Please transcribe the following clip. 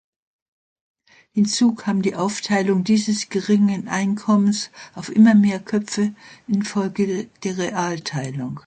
Hinzu kam die Aufteilung dieses geringen Einkommens auf immer mehr Köpfe infolge der Realteilung.